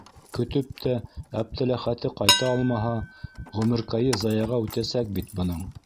Көтөп тә Әптеләхәте ҡайта алмаһа, ғүмеркәйе заяға үтәсәк бит бының!